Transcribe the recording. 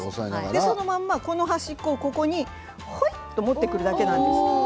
このまま、この端っこをほいっと持ってくるだけです。